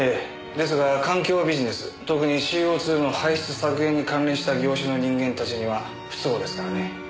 ですが環境ビジネス特にＣＯ２の排出削減に関連した業者の人間たちには不都合ですからね。